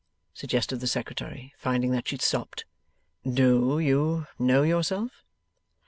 suggested the Secretary, finding that she stopped. 'DO you know yourself?